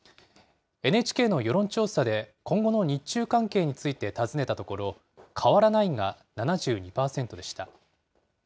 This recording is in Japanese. ＮＨＫの世論調査で今後の日中関係について尋ねたところ、変わらないが７２％でした。